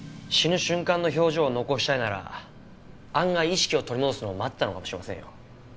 死ぬ瞬間の表情を残したいなら案外意識を取り戻すのを待ってたのかもしれませんよ。